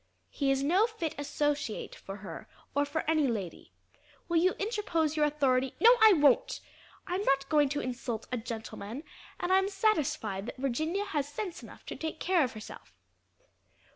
"He is no fit associate for her or for any lady. Will you interpose your authority " "No, I won't; I'm not going to insult a gentleman, and I'm satisfied that Virginia has sense enough to take care of herself."